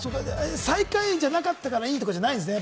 最下位じゃなかったらいいじゃないんですね。